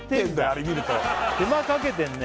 あれ見ると手間かけてんね